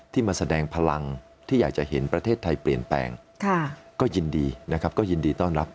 มาแสดงพลังที่อยากจะเห็นประเทศไทยเปลี่ยนแปลงก็ยินดีนะครับก็ยินดีต้อนรับ